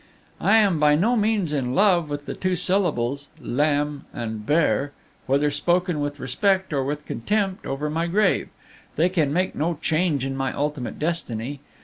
"I am by no means in love with the two syllables Lam and bert; whether spoken with respect or with contempt over my grave, they can make no change in my ultimate destiny.